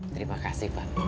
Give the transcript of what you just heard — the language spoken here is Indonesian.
terima kasih pak